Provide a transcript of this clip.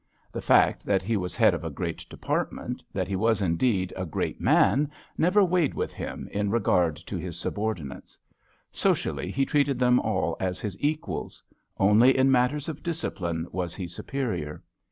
The fact that he was head of a great department, that he was indeed a great man, never weighed with him in regard to his subordinates. Socially he treated them all as his equals; only in matters of discipline was he superior.